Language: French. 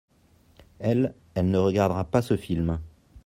Elle, elle ne regardera pas ce film.